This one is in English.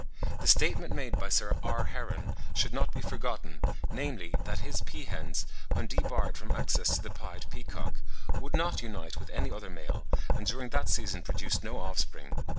The statement made by Sir R. Heron should not be forgotten, namely, that his peahens, when debarred from access to the pied peacock, would not unite with any other male, and during that season produced no offspring.